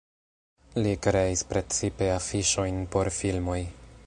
Li kreis precipe afiŝojn por filmoj.